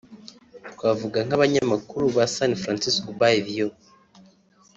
twavuga nk’abanyamakuru ba San Francisco Bay View